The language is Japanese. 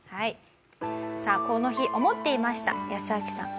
さあこの日思っていましたヤスアキさん。